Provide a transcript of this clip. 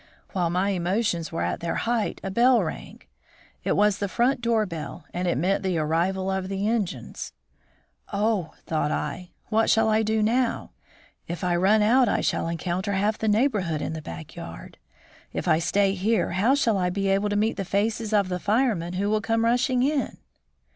While my emotions were at their height a bell rang. It was the front doorbell, and it meant the arrival of the engines. "Oh!" thought I, "what shall I do now? If I run out I shall encounter half the neighborhood in the back yard; if I stay here how shall I be able to meet the faces of the firemen who will come rushing in?"